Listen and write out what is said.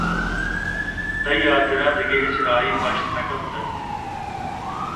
تئی حاترا دگہ ہچ راہے پشت نہ کپتگ